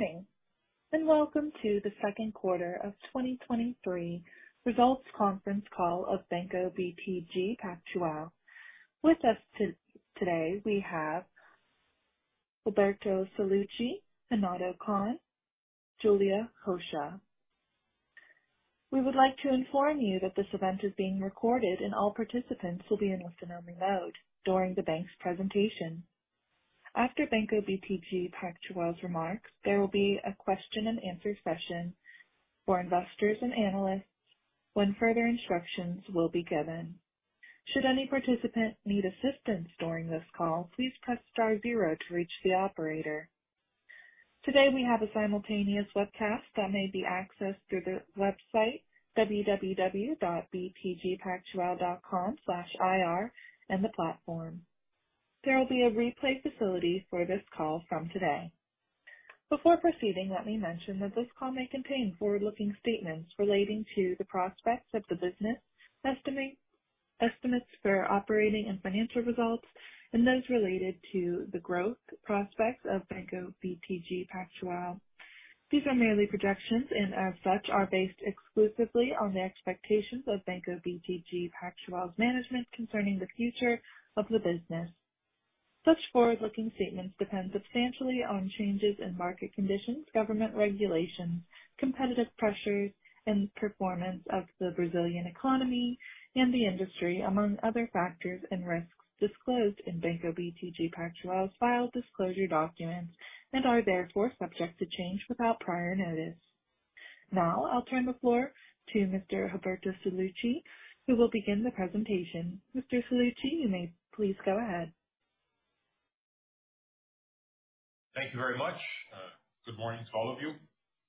Good morning, and welcome to the 2nd quarter of 2023 results conference call of Banco BTG Pactual. With us today, we have Roberto Sallouti, Renato Cohn, Julia Rocha. We would like to inform you that this event is being recorded, and all participants will be in listen-only mode during the bank's presentation. After Banco BTG Pactual's remarks, there will be a question and answer session for investors and analysts, when further instructions will be given. Should any participant need assistance during this call, please press star zero to reach the operator. Today, we have a simultaneous webcast that may be accessed through the website www.btgpactual.com/ir and the platform. There will be a replay facility for this call from today. Before proceeding, let me mention that this call may contain forward-looking statements relating to the prospects of the business, estimate, estimates for operating and financial results, and those related to the growth prospects of Banco BTG Pactual. These are merely projections, and as such, are based exclusively on the expectations of Banco BTG Pactual's management concerning the future of the business. Such forward-looking statements depend substantially on changes in market conditions, government regulations, competitive pressures, and performance of the Brazilian economy and the industry, among other factors and risks disclosed in Banco BTG Pactual's filed disclosure documents, and are therefore subject to change without prior notice. Now, I'll turn the floor to Mr. Roberto Sallouti, who will begin the presentation. Mr. Sallouti, you may please go ahead. Thank you very much. Good morning to all of you.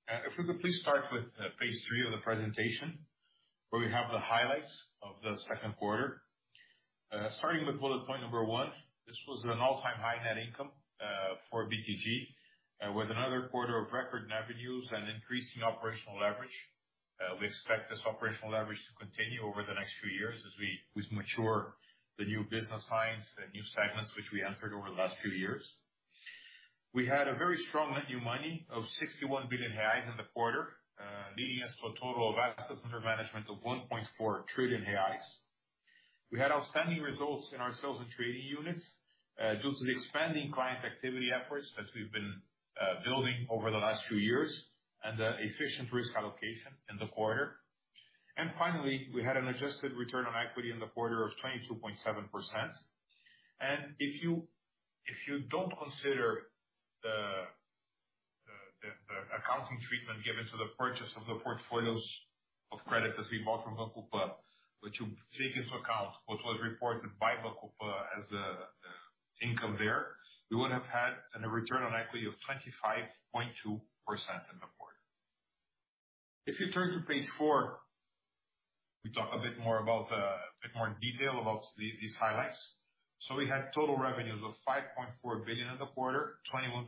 If we could please start with page three of the presentation, where we have the highlights of the second quarter. Starting with bullet point number one, this was an all-time high net income for BTG, with another quarter of record revenues and increasing operational leverage. We expect this operational leverage to continue over the next few years as we, we mature the new business lines and new segments which we entered over the last few years. We had a very strong net new money of 61 billion reais in the quarter, leading us to a total of assets under management of 1.4 trillion reais. We had outstanding results in our sales and trading units, due to the expanding client activity efforts that we've been building over the last few years, efficient risk allocation in the quarter. Finally, we had an adjusted return on equity in the quarter of 22.7%. If you, if you don't consider the accounting treatment given to the purchase of the portfolios of credit that we bought from Banco Pan, but you take into account what was reported by Banco Pan as the income there, we would have had an return on equity of 25.2% in the quarter. If you turn to page 4, we talk a bit more about a bit more in detail about these highlights. We had total revenues of 5.4 billion in the quarter, 21%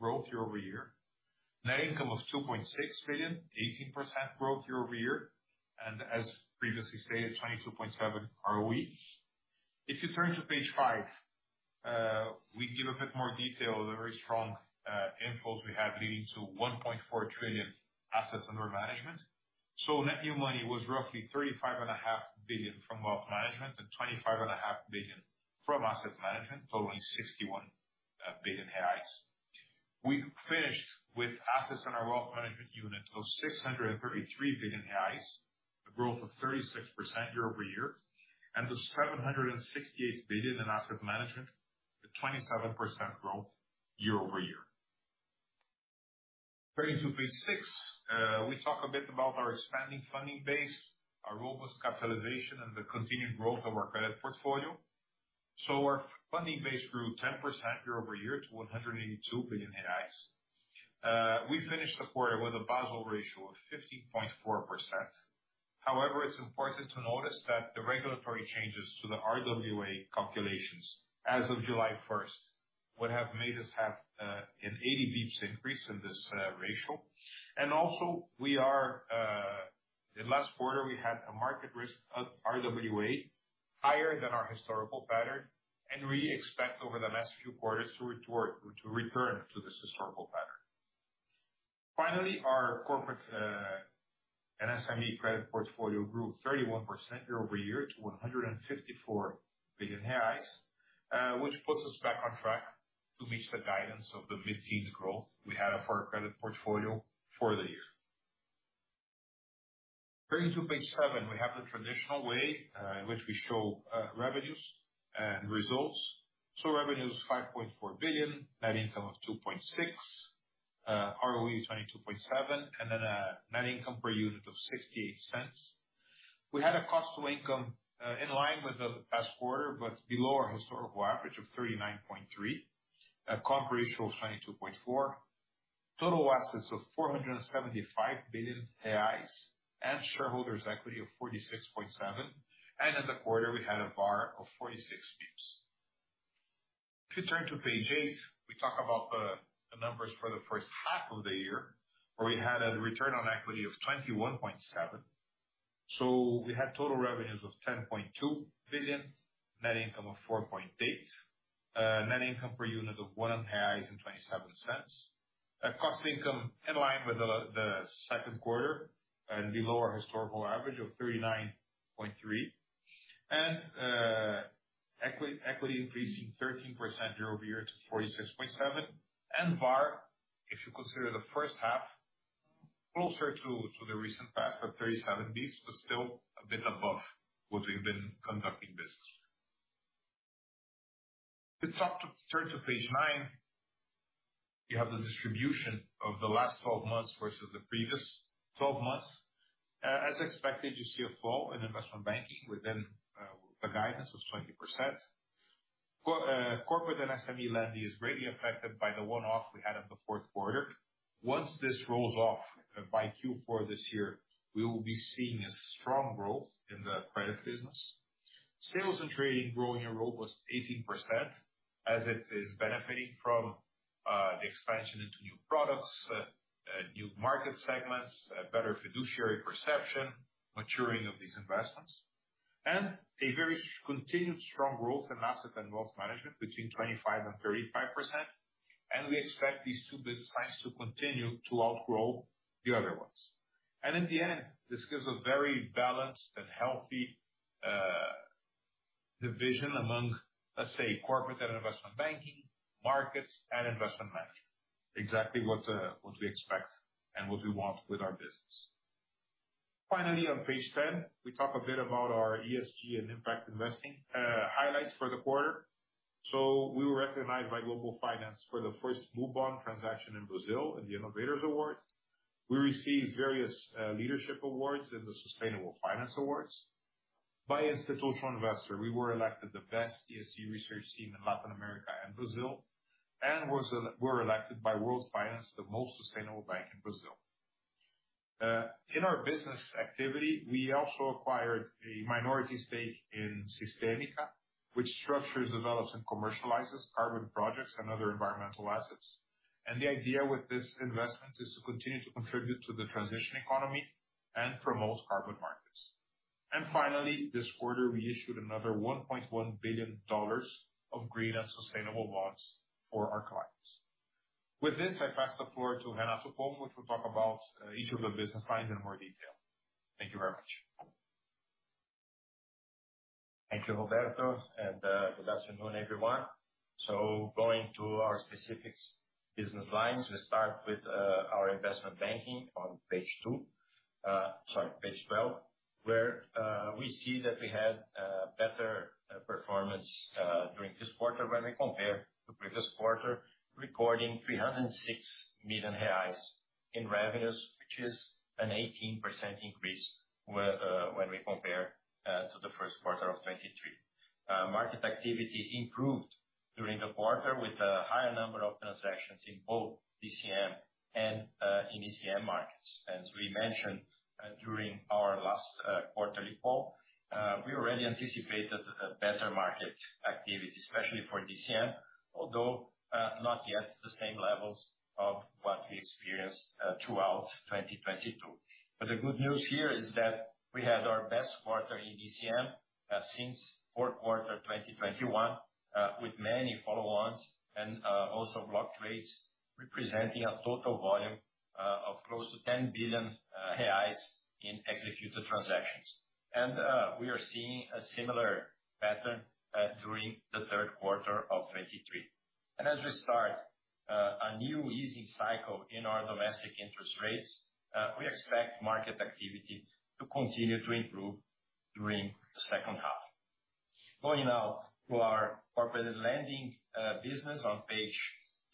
growth year-over-year. Net income of 2.6 billion, 18% growth year-over-year, and as previously stated, 22.7% ROE. If you turn to page 5, we give a bit more detail, the very strong impulse we have leading to 1.4 trillion assets under management. Net new money was roughly 35.5 billion from wealth management, and 25.5 billion from asset management, totaling 61 billion reais. We finished with assets in our wealth management unit of 633 billion reais, a growth of 36% year-over-year, and of 768 billion in asset management, at 27% growth year-over-year. Turning to page six, we talk a bit about our expanding funding base, our robust capitalization, and the continued growth of our credit portfolio. Our funding base grew 10% year-over-year to 182 billion reais. We finished the quarter with a Basel ratio of 15.4%. However, it's important to notice that the regulatory changes to the RWA calculations as of July1st, would have made us have an 80 basis points increase in this ratio. In last quarter, we had a market risk of RWA, higher than our historical pattern, and we expect over the next few quarters to return to this historical pattern. Finally, our corporate and SME credit portfolio grew 31% year-over-year to 154 billion reais, which puts us back on track to reach the guidance of the mid-teens growth we had for our credit portfolio for the year. Turning to page seven, we have the traditional way in which we show revenues and results. Revenues, 5.4 billion, net income of 2.6 billion, ROE 22.7%, a net income per unit of 0.68. We had a cost-to-income in line with the last quarter, but below our historical average of 39.3%. A comp ratio of 22.4%. Total assets of 475 billion reais, shareholders' equity of 46.7 billion, and in the quarter, we had a VaR of 46 basis points. If you turn to page eight, we talk about the numbers for the first half of the year, where we had a return on equity of 21.7%. We had total revenues of 10.2 billion, net income of 4.8 billion, net income per unit of 1.27. Cost-to-income in line with the second quarter and below our historical average of 39.3%. Equity, equity increasing 13% year-over-year to 46.7 billion. VaR, if you consider the first half, closer to the recent past at 37 Bs, but still a bit above what we've been conducting business. If you turn to page nine, you have the distribution of the last 12 months versus the previous 12 months. As expected, you see a fall in investment banking within the guidance of 20%. Corporate and SME lending is greatly affected by the one-off we had in the fourth quarter. Once this rolls off by Q4 this year, we will be seeing a strong growth in the credit business. Sales and trading growing a robust 18%, as it is benefiting from the expansion into new products, new market segments, better fiduciary perception, maturing of these investments. A very continued strong growth in asset and wealth management between 25% and 35%, and we expect these two business lines to continue to outgrow the other ones. In the end, this gives a very balanced and healthy division among, let's say, corporate and investment banking, markets, and investment management. Exactly what, what we expect and what we want with our business. Finally, on page 10, we talk a bit about our ESG and impact investing, highlights for the quarter. We were recognized by Global Finance for the first blue bond transaction in Brazil in the Innovators Award. We received various, leadership awards in the Sustainable Finance Awards. By Institutional Investor, we were elected the best ESG research team in Latin America and Brazil, and were elected by World Finance, the most sustainable bank in Brazil. In our business activity, we also acquired a minority stake in Systemica, which structures, develops, and commercializes carbon projects and other environmental assets. The idea with this investment is to continue to contribute to the transition economy and promote carbon markets. finally, this quarter, we issued another $1.1 billion of green and sustainable bonds for our clients. With this, I pass the floor to Renato Cohn, which will talk about each of the business lines in more detail. Thank you very much. Thank you, Roberto, good afternoon, everyone. Going to our specifics business lines, we start with our investment banking on page 2, sorry, page 12, where we see that we had better performance during this quarter when we compare to previous quarter, recording 306 million reais in revenues, which is an 18% increase when we compare to the first quarter of 2023. Market activity improved during the quarter, with a higher number of transactions in both DCM and in ECM markets. As we mentioned, during our last quarterly call, we already anticipated a better market activity, especially for DCM, although not yet the same levels of what we experienced throughout 2022. The good news here is that we had our best quarter in DCM since fourth quarter 2021, with many follow-ons and also block trades, representing a total volume of close to 10 billion reais in executed transactions. We are seeing a similar pattern during the third quarter of 2023. As we start a new easing cycle in our domestic interest rates, we expect market activity to continue to improve during the second half. Going now to our corporate lending business on page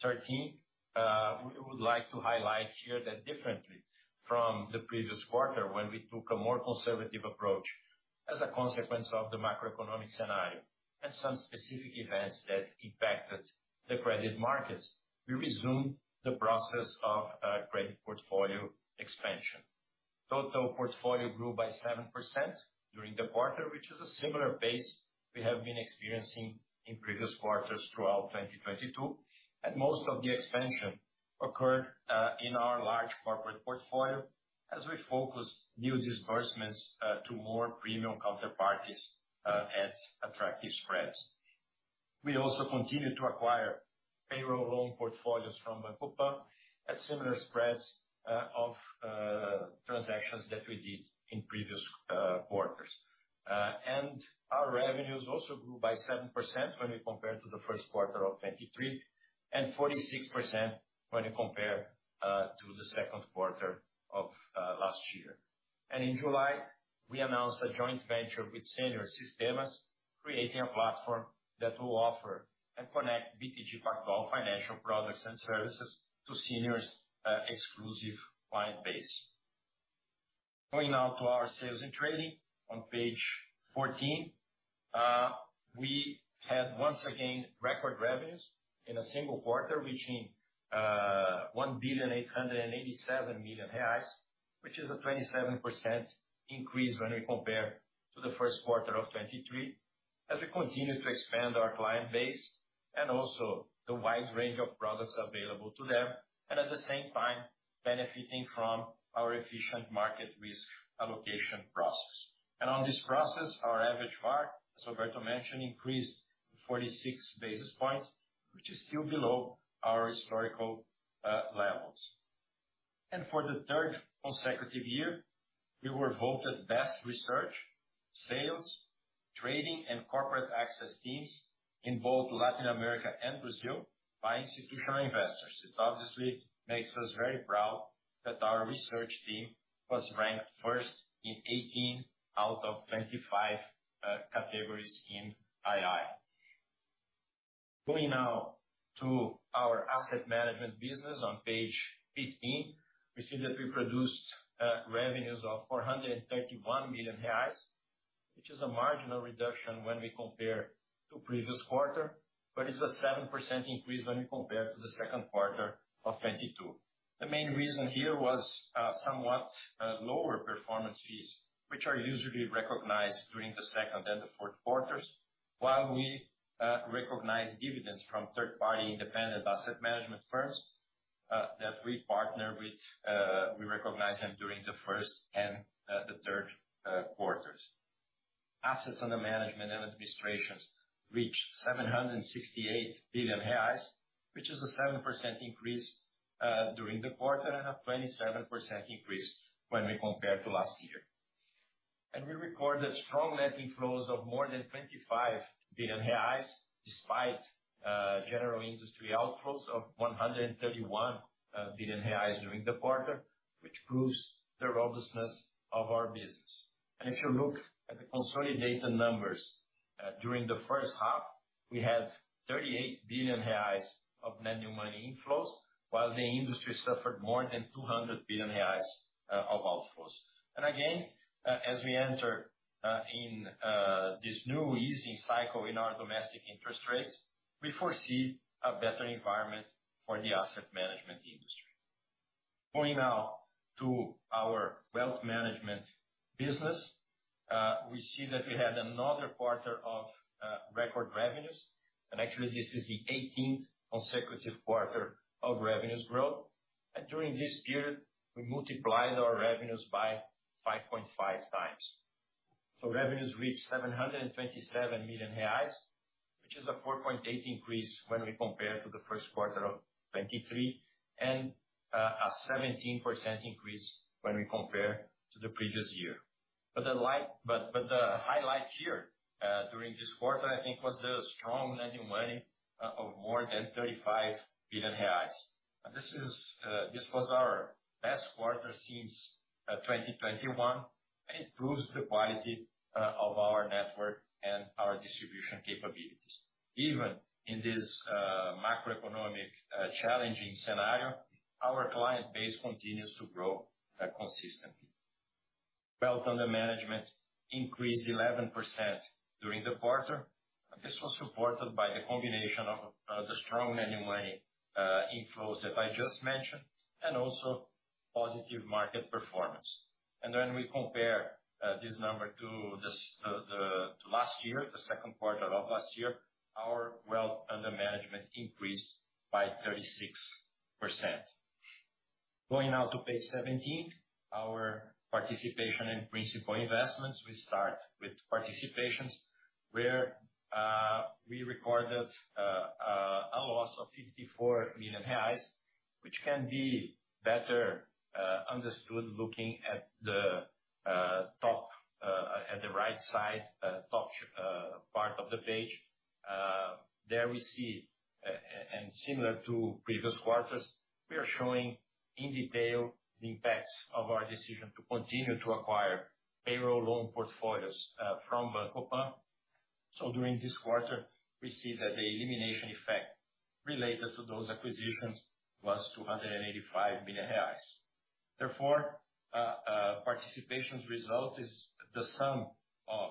13, we would like to highlight here that differently from the previous quarter, when we took a more conservative approach as a consequence of the macroeconomic scenario and some specific events that impacted the credit markets, we resumed the process of credit portfolio expansion. Total portfolio grew by 7% during the quarter, which is a similar pace we have been experiencing in previous quarters throughout 2022. Most of the expansion occurred in our large corporate portfolio, as we focus new disbursements to more premium counterparties at attractive spreads. We also continued to acquire payroll loan portfolios from Banco Pan at similar spreads of transactions that we did in previous quarters. Our revenues also grew by 7% when you compare to the first quarter of 2023, and 46% when you compare to the second quarter of last year. In July, we announced a joint venture with Senior Sistemas, creating a platform that will offer and connect BTG Pactual financial products and services to Senior's exclusive client base. Going now to our sales and trading on page 14. We had once again record revenues in a single quarter, reaching 1.887 billion, which is a 27% increase when we compare to the first quarter of 2023, as we continue to expand our client base and also the wide range of products available to them, at the same time, benefiting from our efficient market risk allocation process. On this process, our average VaR, as Roberto mentioned, increased 46 basis points, which is still below our historical levels. For the third consecutive year, we were voted Best Research, Sales, Trading, and Corporate Access Teams in both Latin America and Brazil by Institutional Investor. It obviously makes us very proud that our research team was ranked first in 18 out of 25 categories in II. Going now to our asset management business on page 15, we see that we produced revenues of 431 million reais, which is a marginal reduction when we compare to previous quarter, but it's a 7% increase when we compare to the second quarter of 2022. The main reason here was somewhat lower performance fees, which are usually recognized during the second and the fourth quarters, while we recognize dividends from third-party independent asset management firms that we partner with, we recognize them during the first and the third quarters. Assets under management and administrations reached 768 billion reais, which is a 7% increase during the quarter, and a 27% increase when we compare to last year. We recorded strong net inflows of more than 25 billion reais, despite general industry outflows of 131 billion reais during the quarter, which proves the robustness of our business. If you look at the consolidated numbers during the first half, we had 38 billion reais of net new money inflows, while the industry suffered more than 200 billion reais of outflows. Again, as we enter in this new easing cycle in our domestic interest rates, we foresee a better environment for the asset management industry. Going now to our wealth management business, we see that we had another quarter of record revenues, and actually this is the 18th consecutive quarter of revenues growth. During this period, we multiplied our revenues by 5.5x. Revenues reached 727 million reais, which is a 4.8 increase when we compare to the first quarter of 2023, a 17% increase when we compare to the previous year. The highlight here during this quarter, I think, was the strong net new money of more than 35 billion reais. This is, this was our best quarter since 2021, and it proves the quality of our network and our distribution capabilities. Even in this macroeconomic challenging scenario, our client base continues to grow consistently. Wealth under management increased 11% during the quarter. This was supported by the combination of the strong net new money inflows that I just mentioned, and also positive market performance. When we compare this number to this, the last year, the second quarter of last year, our wealth under management increased by 36%. Going now to page 17, our participation in principal investments. We start with participations, where we recorded a loss of 54 million reais, which can be better understood looking at the top at the right side, top part of the page. There we see, and similar to previous quarters, we are showing in detail the impacts of our decision to continue to acquire payroll loan portfolios from Banco Pan. During this quarter, we see that the elimination effect related to those acquisitions was 285 million reais. participation's result is the sum of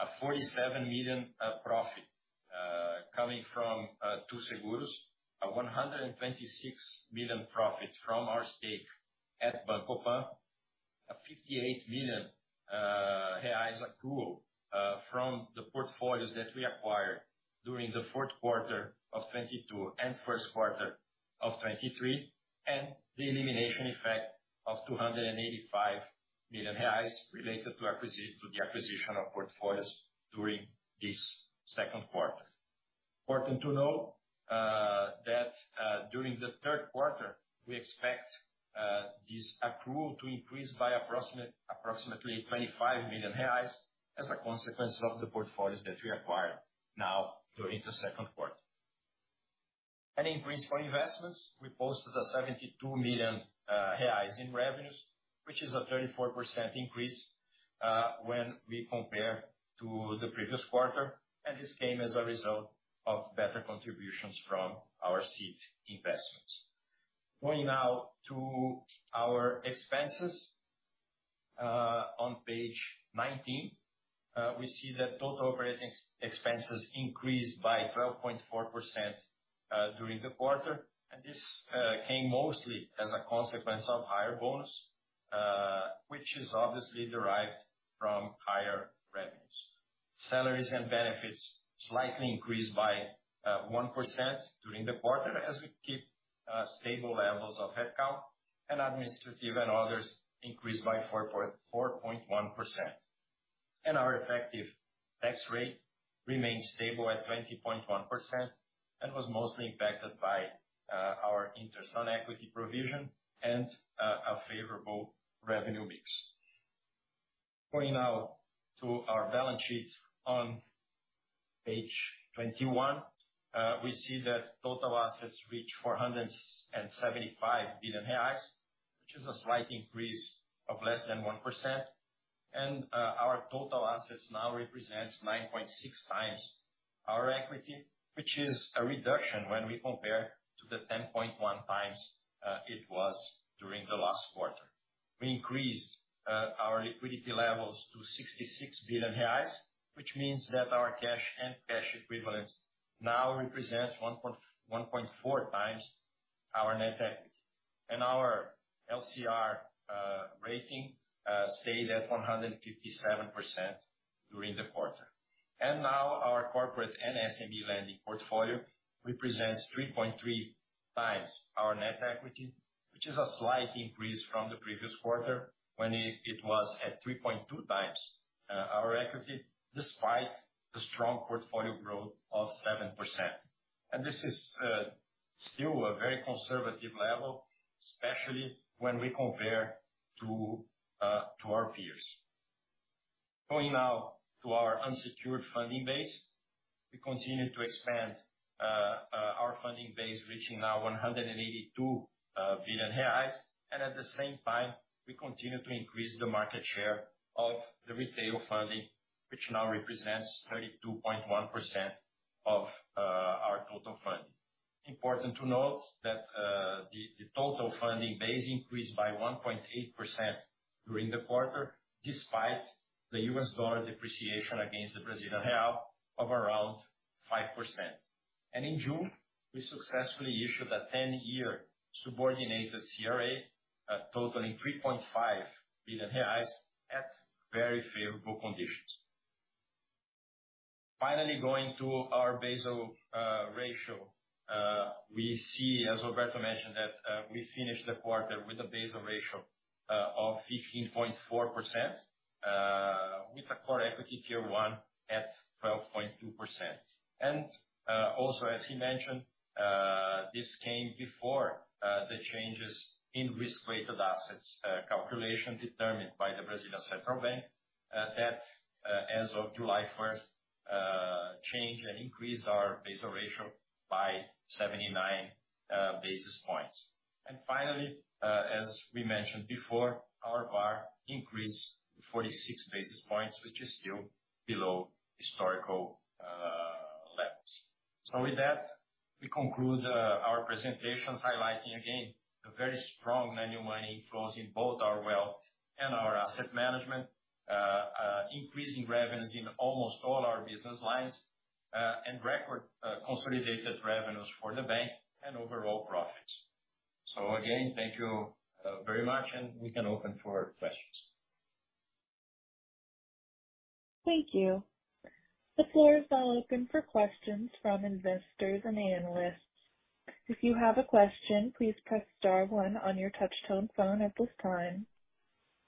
a 47 million profit coming from Too Seguros, a 126 million profit from our stake at Banco Pan, a 58 million reais accrual from the portfolios that we acquired during the fourth quarter of 2022 and first quarter of 2023, and the elimination effect of 285 million reais related to the acquisition of portfolios during this second quarter. Important to note that during the third quarter, we expect this accrual to increase by approximately 25 million reais, as a consequence of the portfolios that we acquired now during the second quarter. In principal investments, we posted 72 million reais in revenues, which is a 34% increase when we compare to the previous quarter, and this came as a result of better contributions from our seed investments. Going now to our expenses on page 19, we see that total operating expenses increased by 12.4% during the quarter, and this came mostly as a consequence of higher bonus, which is obviously derived from higher revenues. Salaries and benefits slightly increased by 1% during the quarter, as we keep stable levels of headcount, and administrative and others increased by 4.1%. Our effective tax rate remained stable at 20.1%, and was mostly impacted by our interest on equity provision and a favorable revenue mix. Going now to our balance sheet on page 21, we see that total assets reach 475 billion reais, which is a slight increase of less than 1%. Our total assets now represents 9.6x our equity, which is a reduction when we compare to the 10.1x it was during the last quarter. We increased our liquidity levels to 66 billion reais, which means that our cash and cash equivalents now represents 1.4x our net equity. Our LCR rating stayed at 157% during the quarter. Now, our corporate and SME lending portfolio represents 3.3x our net equity, which is a slight increase from the previous quarter when it was at 3.2x our equity, despite the strong portfolio growth of 7%. This is still a very conservative level, especially when we compare to our peers. Going now to our unsecured funding base. We continue to expand our funding base, reaching now 182 billion reais, and at the same time, we continue to increase the market share of the retail funding, which now represents 32.1% of our total funding. Important to note that the total funding base increased by 1.8% during the quarter, despite the US dollar depreciation against the Brazilian real of around 5%. In June, we successfully issued a 10-year subordinated CRA, totaling 3.5 billion reais at very favorable conditions. Finally, going to our Basel ratio, we see, as Roberto mentioned, that we finished the quarter with a Basel ratio of 15.4%, with a Core Equity Tier 1 at 12.2%. Also, as he mentioned, this came before the changes in risk-weighted assets calculation determined by the Brazilian Central Bank, that as of July 1st, changed and increased our Basel ratio by 79 basis points. Finally, as we mentioned before, our VaR increased 46 basis points, which is still below historical levels. With that, we conclude our presentation, highlighting again, the very strong net new money flows in both our wealth and our asset management, increasing revenues in almost all our business lines, and record consolidated revenues for the bank and overall profits. Again, thank you very much, and we can open for questions. Thank you. The floor is now open for questions from investors and analysts. If you have a question, please press star one on your touchtone phone at this time.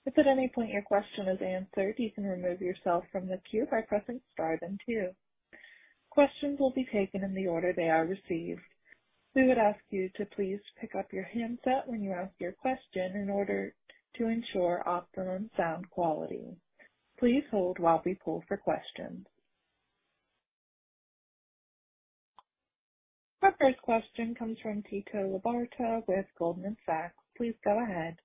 If at any point your question is answered, you can remove yourself from the queue by pressing star then two. Questions will be taken in the order they are received. We would ask you to please pick up your handset when you ask your question in order to ensure optimum sound quality. Please hold while we pull for questions. Our first question comes from Tito Labarta with Goldman Sachs. Please go ahead.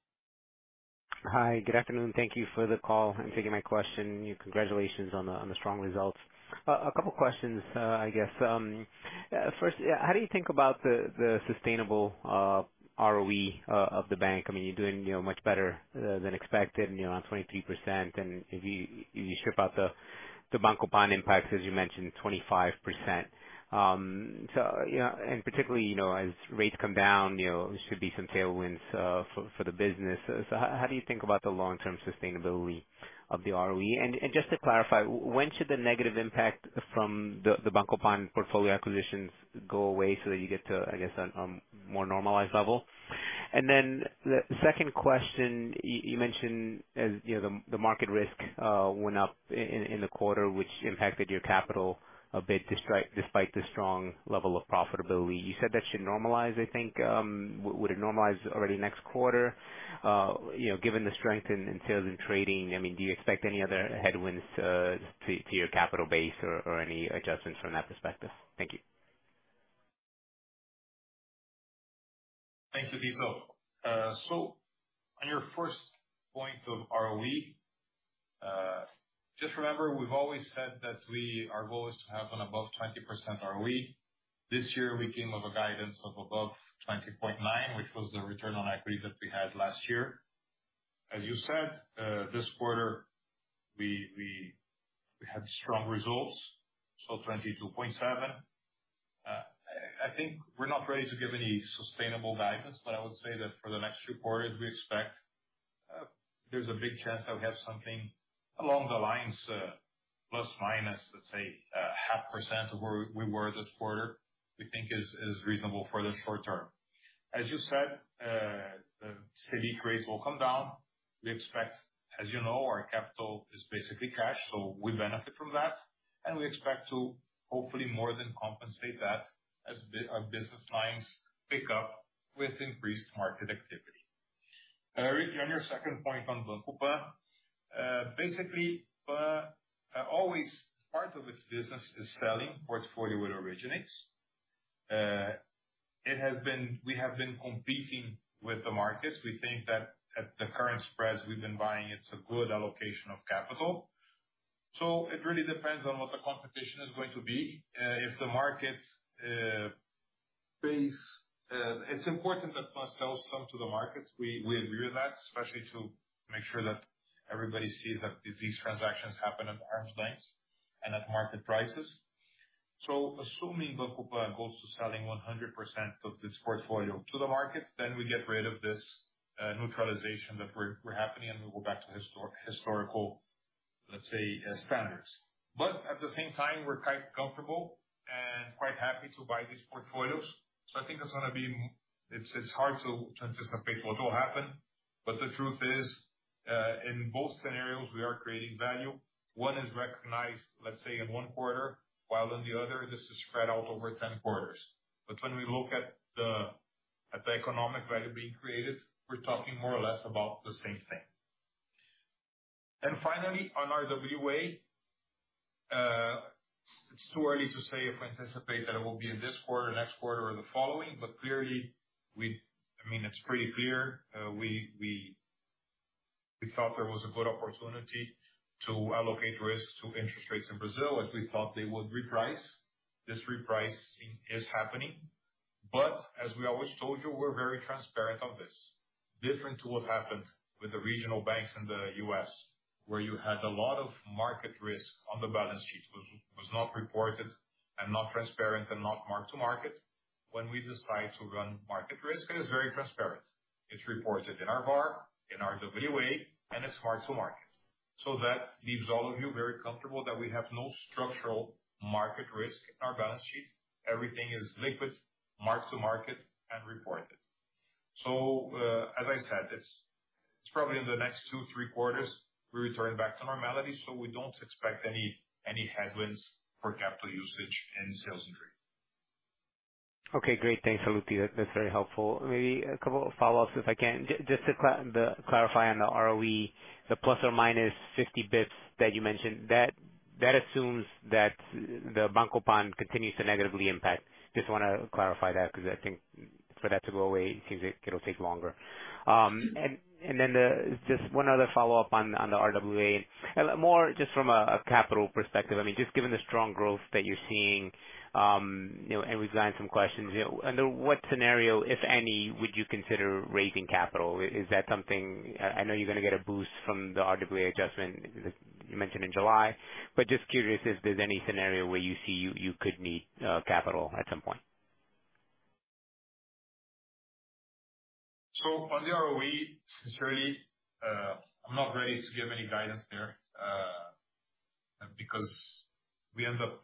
Hi, good afternoon. Thank you for the call and taking my question. Congratulations on the, on the strong results. A couple questions, I guess, first, yeah, how do you think about the sustainable ROE of the bank? I mean, you're doing, you know, much better than expected, you know, on 23%, and if you, if you strip out the Banco Pan impacts, as you mentioned, 25%. You know, and particularly, you know, as rates come down, you know, there should be some tailwinds for, for the business. How, how do you think about the long-term sustainability of the ROE? And just to clarify, w-when should the negative impact from the Banco Pan portfolio acquisitions go away so that you get to, I guess, a more normalized level? The second question, you mentioned, as you know, the market risk went up in the quarter, which impacted your capital a bit despite the strong level of profitability. You said that should normalize, I think, would it normalize already next quarter? You know, given the strength in sales and trading, I mean, do you expect any other headwinds to your capital base or any adjustments from that perspective? Thank you. Thanks, Tito. On your first point of ROE, just remember, we've always said that our goal is to have an above 20% ROE. This year, we came with a guidance of above 20.9, which was the return on equity that we had last year. As you said, this quarter, we, we, we had strong results, so 22.7%. I, I think we're not ready to give any sustainable guidance, but I would say that for the next two quarters, we expect, there's a big chance that we have something along the lines, plus minus, let's say, a 0.5% of where we were this quarter, we think is, is reasonable for the short term. As you said, the CD rates will come down. We expect, as you know, our capital is basically cash, so we benefit from that, and we expect to hopefully more than compensate that as our business lines pick up with increased market activity. On your second point on Banco Pan, basically, always part of its business is selling portfolio it originates. It has been... We have been competing with the markets. We think that at the current spreads we've been buying, it's a good allocation of capital. It really depends on what the competition is going to be. If the market base, it's important that Banco Pan sells some to the markets. We, we agree on that, especially to make sure that everybody sees that these transactions happen at arm's length and at market prices. Assuming Banco Pan goes to selling 100% of its portfolio to the market, then we get rid of this neutralization that we're happening, and we go back to historical, let's say, standards. At the same time, we're quite comfortable and quite happy to buy these portfolios. I think it's gonna be it's, it's hard to anticipate what will happen, but the truth is, in both scenarios, we are creating value. One is recognized, let's say, in one quarter, while in the other, this is spread out over 10 quarters. When we look at the, at the economic value being created, we're talking more or less about the same thing. Finally, on RWA, it's too early to say if we anticipate that it will be in this quarter, next quarter or the following, but clearly, we... I mean, it's pretty clear, we, we, we thought there was a good opportunity to allocate risks to interest rates in Brazil, as we thought they would reprice. This repricing is happening, as we always told you, we're very transparent on this. Different to what happened with the regional banks in the U.S., where you had a lot of market risk on the balance sheet, which was not reported and not transparent and not marked to market. When we decide to run market risk, it is very transparent. It's reported in our VaR, in our RWA, and it's marked to market. That leaves all of you very comfortable that we have no structural market risk in our balance sheet. Everything is liquid, marked to market, and reported. As I said, it's probably in the next two, three quarters, we return back to normality, we don't expect any, any headwinds for capital usage and sales entry. Okay, great. Thanks, Sallouti. That's very helpful. Maybe a couple of follow-ups, if I can. Just to clarify on the ROE, the plus or minus 50 bits that you mentioned, that, that assumes that the Banco Pan continues to negatively impact. Just wanna clarify that, because I think for that to go away, it seems it, it'll take longer. And then just one other follow-up on the RWA, more just from a, a capital perspective, I mean, just given the strong growth that you're seeing, you know, and we've gotten some questions, you know, under what scenario, if any, would you consider raising capital? Is that something... I, I know you're gonna get a boost from the RWA adjustment that you mentioned in July, but just curious if there's any scenario where you see you, you could need capital at some point. On the ROE, sincerely, I'm not ready to give any guidance there, because we end up,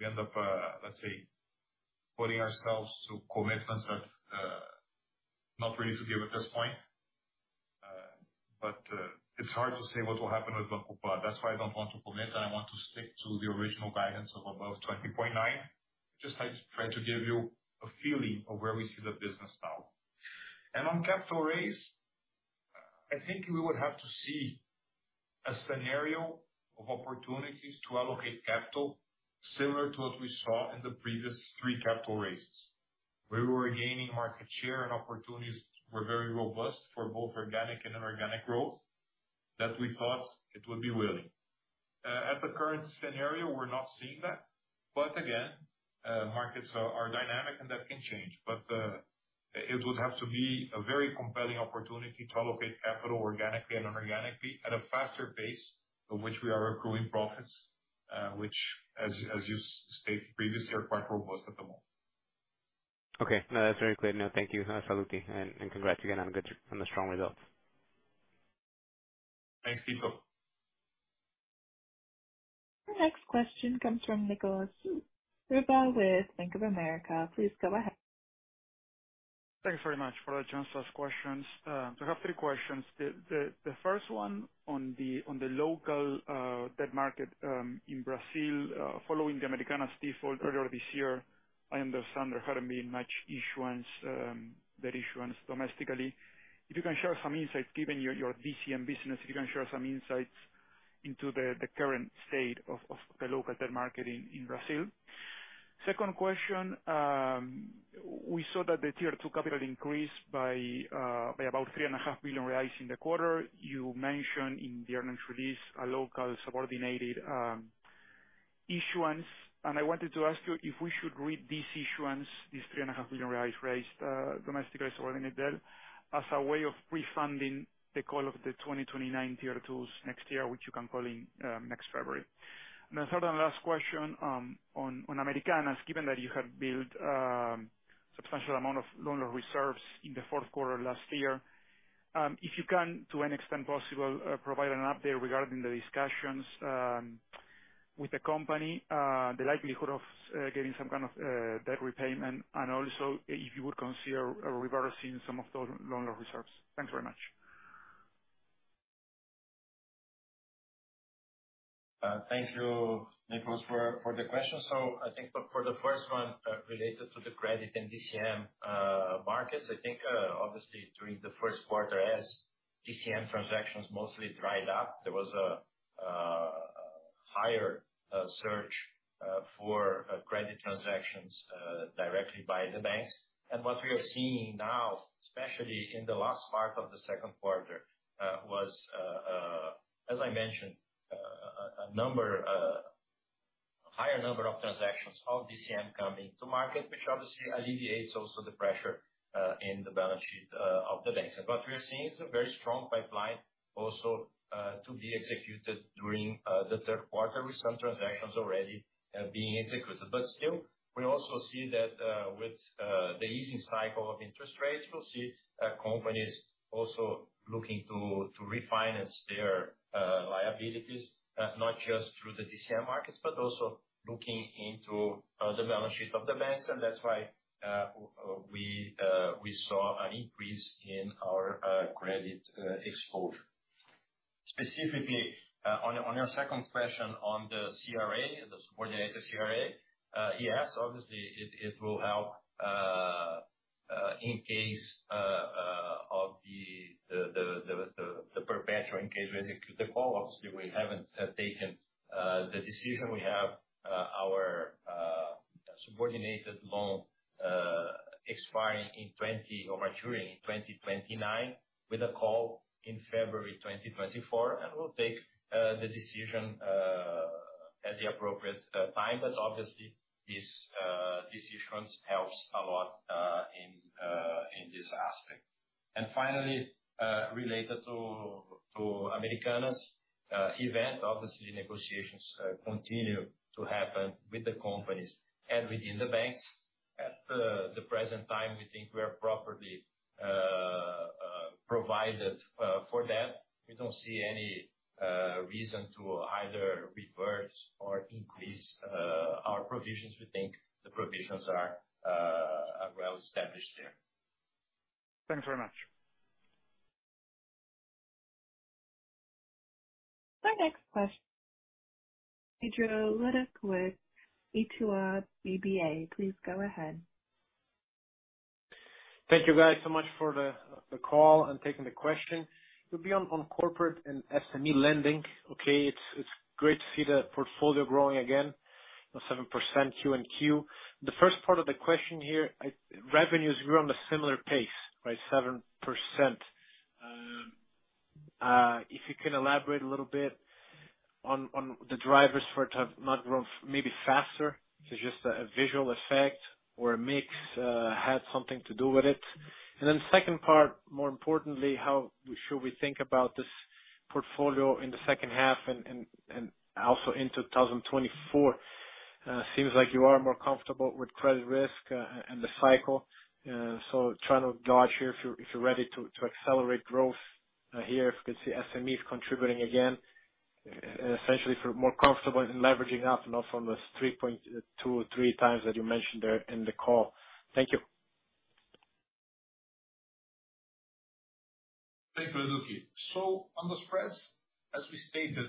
we end up, let's say, putting ourselves to commitments that not ready to give at this point. It's hard to say what will happen with Banco Pan. That's why I don't want to commit, and I want to stick to the original guidance of above 20.9. Just I try to give you a feeling of where we see the business now. On capital raise, I think we would have to see a scenario of opportunities to allocate capital similar to what we saw in the previous three capital raises, where we were gaining market share and opportunities were very robust for both organic and inorganic growth, that we thought it would be willing. At the current scenario, we're not seeing that. Again, markets are dynamic, and that can change. It would have to be a very compelling opportunity to allocate capital organically and inorganically at a faster pace of which we are accruing profits, which, as you stated previously, are quite robust at the moment. Okay. No, that's very clear now. Thank you, Sallouti, and, and congrats again on the good, on the strong results. Thanks, Tico. Our next question comes from Nicolas Riva with Bank of America. Please go ahead. Thank you very much for the chance to ask questions. I have three questions. The first one on the local debt market in Brazil, following the Americanas default earlier this year, I understand there hadn't been much issuance, debt issuance domestically. If you can share some insight, given your DCM business, if you can share some insights into the current state of the local debt market in Brazil? second question, we saw that the Tier 2 capital increased by about 3.5 billion reais in the quarter. You mentioned in the earnings release, a local subordinated. issuance, I wanted to ask you if we should read this issuance, this 3.5 billion raised, domestically raised by Nadal, as a way of refunding the call of the 2029 Tier twos next year, which you can call in next February? The third and last question on Americanas. Given that you have built substantial amount of loan loss reserves in the fourth quarter last year, if you can, to an extent possible, provide an update regarding the discussions with the company, the likelihood of getting some kind of debt repayment, and also if you would consider reversing some of those loan loss reserves. Thanks very much. Thank you, Nicolas, for, for the question. I think for, for the first one, related to the credit and DCM markets, I think, obviously during the first quarter, as DCM transactions mostly dried up, there was a higher search for credit transactions directly by the banks. What we are seeing now, especially in the last part of the second quarter, was, as I mentioned, a number, a higher number of transactions of DCM coming to market, which obviously alleviates also the pressure in the balance sheet of the banks. We are seeing some very strong pipeline also to be executed during the third quarter, with some transactions already being executed. Still, we also see that with the easing cycle of interest rates, we'll see companies also looking to refinance their liabilities, not just through the DCM markets, but also looking into the balance sheet of the banks, and that's why we saw an increase in our credit exposure. Specifically, on your second question, on the CRA, the subordinated CRA, yes, obviously it will help in case of the perpetual in case we execute the call. Obviously, we haven't taken the decision. We have our subordinated loan maturing in 2029, with a call in February 2024. We'll take the decision at the appropriate time. Obviously, this, this issuance helps a lot, in, in this aspect. Finally, related to, to Americanas, event, obviously, negotiations, continue to happen with the companies and within the banks. At the, the present time, we think we are properly, provided, for that. We don't see any, reason to either reverse or increase, our provisions. We think the provisions are, are well established there. Thanks very much. Our next question, Pedro Leduc with Itaú BBA. Please go ahead. Thank you, guys, so much for the, the call and taking the question. It will be on, on corporate and SME lending, okay? It's, it's great to see the portfolio growing again, 7% Q and Q. The first part of the question here, revenues grew on a similar pace, right? 7%. If you can elaborate a little bit on, on the drivers for it to have not grown maybe faster, so just a, a visual effect or mix, had something to do with it? Second part, more importantly, how should we think about this portfolio in the second half and, and, and also into 2024? Seems like you are more comfortable with credit risk and the cycle, so trying to gauge here if you're, if you're ready to, to accelerate growth here, if we can see SMEs contributing again, essentially if you're more comfortable in leveraging up now from the 3.2x or 3x that you mentioned there in the call. Thank you. Thank you, Leduc. On the spreads, as we stated,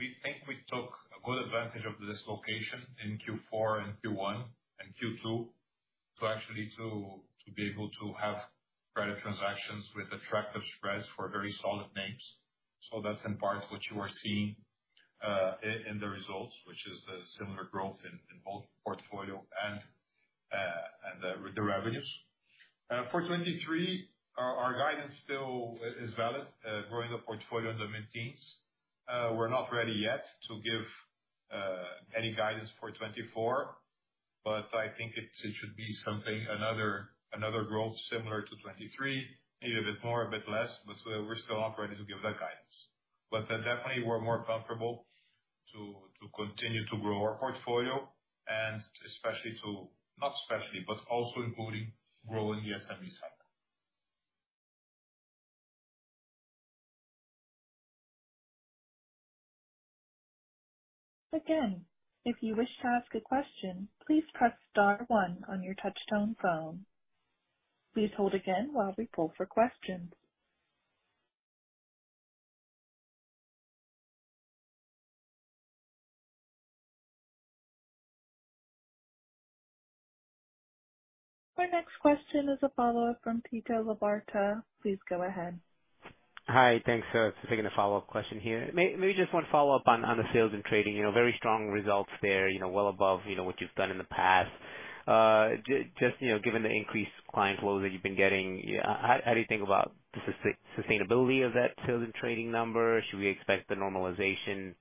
we think we took a good advantage of the dislocation in Q4 and Q1 and Q2, to actually to, to be able to have credit transactions with attractive spreads for very solid names. That's in part what you are seeing in the results, which is a similar growth in, in both portfolio and the, the revenues. For 2023, our, our guidance still is valid, growing the portfolio in the mid-teens. We're not ready yet to give any guidance for 2024, but I think it, it should be something, another, another growth similar to 2023, maybe a bit more, a bit less, but we're, we're still operating to give that guidance. Definitely, we're more comfortable to, to continue to grow our portfolio, and especially to... Not especially, but also including growing the SME side. Again, if you wish to ask a question, please press star one on your touchtone phone. Please hold again while we pull for questions. Our next question is a follow-up from Tito Labarta. Please go ahead. Hi, thanks, taking a follow-up question here. Maybe just one follow-up on, on the sales and trading. You know, very strong results there, you know, well above, you know, what you've done in the past. Just, you know, given the increased client flows that you've been getting, how, how do you think about the sustainability of that sales and trading number? Should we expect the normalization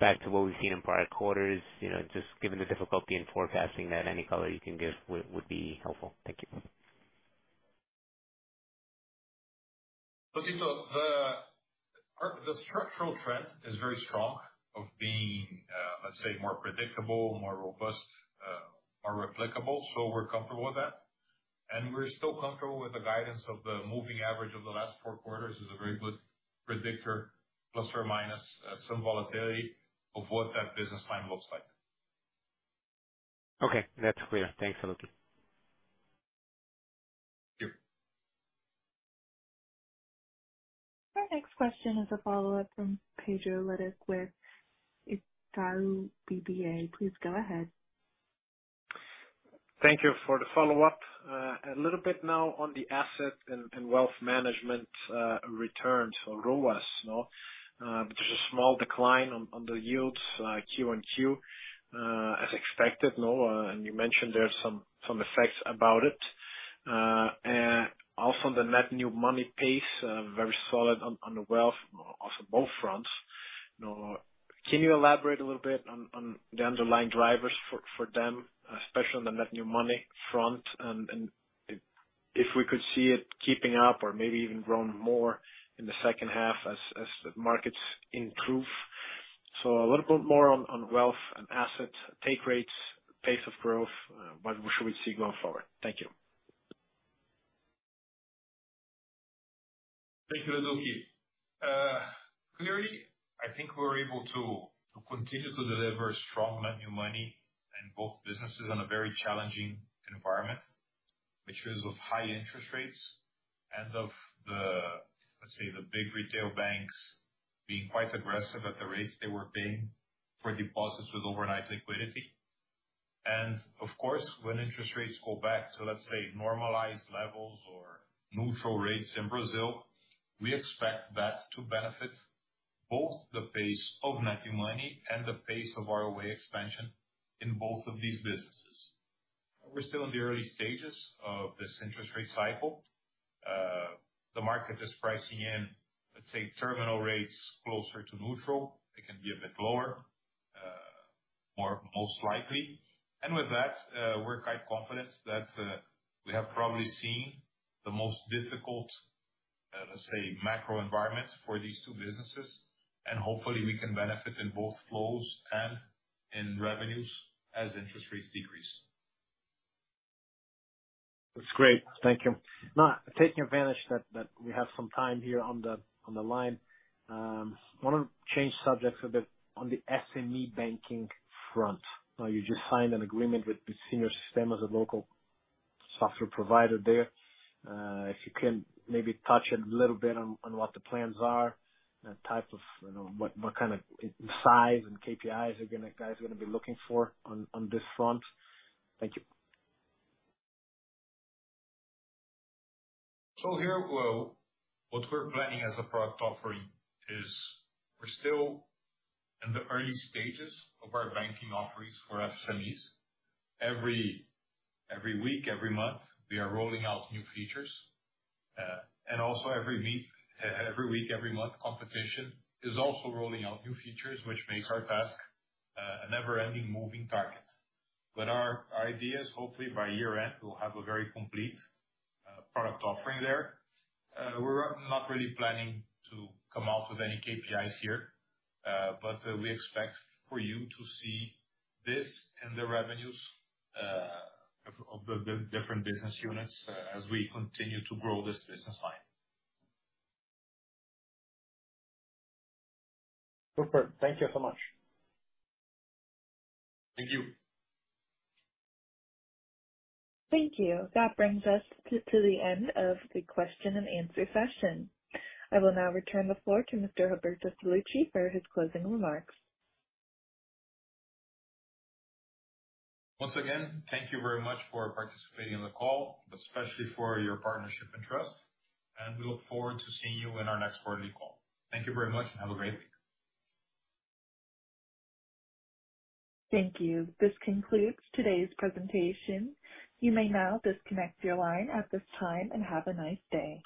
back to what we've seen in prior quarters? You know, just given the difficulty in forecasting that, any color you can give would, would be helpful. Thank you. Look, the structural trend is very strong of being, let's say more predictable, more robust, more replicable, so we're comfortable with that. We're still comfortable with the guidance of the moving average of the last four quarters is a very good predictor, ± some volatility of what that business plan looks like. Okay, that's clear. Thanks a lot. Thank you. Our next question is a follow-up from Pedro Leduc with Itaú BBA. Please go ahead. Thank you for the follow-up. A little bit now on the asset and wealth management returns or ROAS, no? There's a small decline on the yields Q on Q as expected, no, and you mentioned there's some effects about it. Also the net new money pace very solid on the wealth on both fronts. Can you elaborate a little bit on the underlying drivers for them, especially on the net new money front, and if we could see it keeping up or maybe even growing more in the second half as the markets improve? A little bit more on wealth and asset take rates, pace of growth, what we should we see going forward. Thank you. Thank you, Leduc. Clearly, I think we're able to continue to deliver strong net new money in both businesses on a very challenging environment, which is of high interest rates and of the, let's say, the big retail banks being quite aggressive at the rates they were paying for deposits with overnight liquidity. Of course, when interest rates go back to, let's say, normalized levels or neutral rates in Brazil, we expect that to benefit both the pace of net new money and the pace of our AuA expansion in both of these businesses. We're still in the early stages of this interest rate cycle. The market is pricing in, let's say, terminal rates closer to neutral. It can be a bit lower, or most likely. With that, we're quite confident that, we have probably seen the most difficult, let's say, macro environment for these two businesses, and hopefully we can benefit in both flows and in revenues as interest rates decrease. That's great. Thank you. Now, taking advantage that, that we have some time here on the, on the line, I want to change subjects a bit on the SME banking front. Now, you just signed an agreement with Senior Sistemas as a local software provider there. If you can maybe touch a little bit on, on what the plans are and type of, you know, what, what kind of size and KPIs guys are gonna be looking for on, on this front. Thank you. Here, well, what we're planning as a product offering is we're still in the early stages of our banking offerings for SMEs. Every, every week, every month, we are rolling out new features. Also every week, every week, every month, competition is also rolling out new features, which makes our task a never-ending moving target. Our, our idea is hopefully by year end, we'll have a very complete product offering there. We're not really planning to come out with any KPIs here, but we expect for you to see this in the revenues of, of the, the different business units as we continue to grow this business line. Super. Thank you so much. Thank you. Thank you. That brings us to the end of the question and answer session. I will now return the floor to Mr. Roberto Sallouti for his closing remarks. Once again, thank you very much for participating in the call, especially for your partnership and trust. We look forward to seeing you in our next quarterly call. Thank you very much. Have a great week. Thank you. This concludes today's presentation. You may now disconnect your line at this time. Have a nice day.